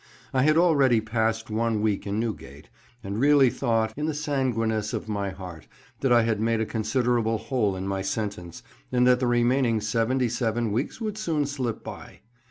I had already passed one week in Newgate, and really thought, in the sanguineness of my heart, that I had made a considerable hole in my sentence, and that the remaining seventy seven weeks would soon slip by.